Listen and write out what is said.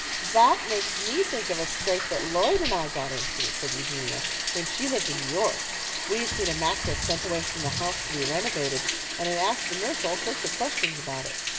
"That makes me think of a scrape that Lloyd and I got into," said Eugenia, "when she lived in New York. We had seen a mattress sent away from the house to be renovated, and had asked the nurse all sorts of questions about it.